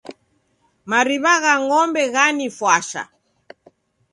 Mariw'agha ng'ombe ghanifwasha.